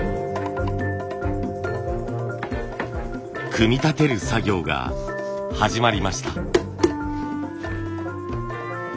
組み立てる作業が始まりました。